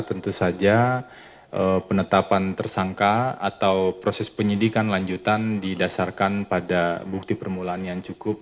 tentu saja penetapan tersangka atau proses penyidikan lanjutan didasarkan pada bukti permulaan yang cukup